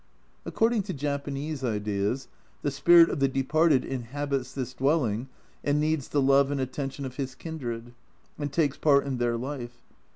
According to Japanese ideas, the spirit of the departed inhabits this dwelling and needs the love and attention of his kindred, and takes part in their life.